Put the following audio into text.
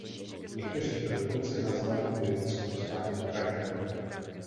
Někteří to dokonce nazvali politickou státní vraždou.